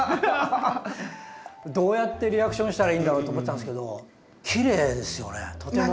どうやってリアクションしたらいいんだろうと思ってたんですけどきれいですよねとても。